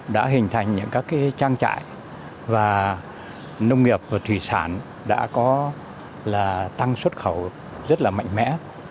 đã hình thành những các trang trại và nông nghiệp và thủy sản đã có là tăng xuất khẩu rất là mạnh mẽ